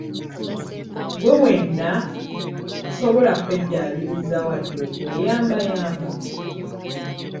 Gwe wenna, tosobola kweddaabiriza wadde okweyambayamba!